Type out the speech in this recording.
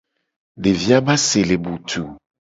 Devi a be ase le butuu.